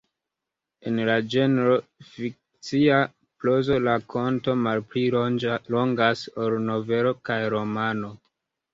En la ĝenro fikcia prozo, rakonto malpli longas ol novelo kaj romano.